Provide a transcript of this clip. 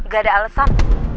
gak ada alesan